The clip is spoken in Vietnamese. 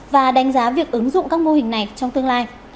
và đánh giá việc ứng dụng các mô hình này trong tương lai